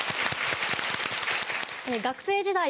学生時代